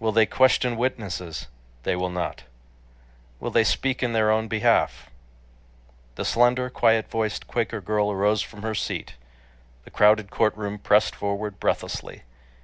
"Will they question witnesses?" They will not. "Will they speak in their own behalf ?" The slender, quiet voiced Quaker girl arose from her seat. The crowded courtroom pressed forward breathlessly.